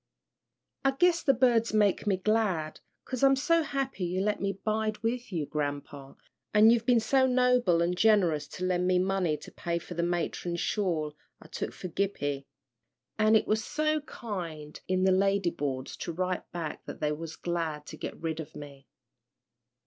"I guess the birds make me glad, 'cause I'm so happy you let me bide with you, grampa an' you've been so noble an' generous to lend me money to pay for the matron's shawl I took for Gippie. An' it was so kind in the lady boards to write back that they was glad to get rid of me." [Illustration: "'THEY WAS GLAD TO GET RID OF ME.'"